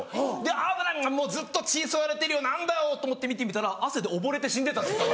あっもうずっと血吸われてる何だよと思って見てみたら汗でおぼれて死んでたんです蚊が。